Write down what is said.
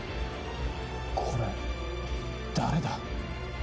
これ、誰だ？